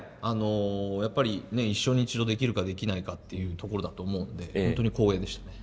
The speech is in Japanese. やっぱり一生に一度できるかできないかっていうところだと思うので本当に光栄でしたね。